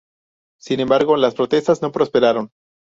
Sin embargo, las protestas no prosperaron.